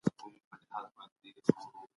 بنسټونو خپل زور په ټولنه کي ثابت کړی وو.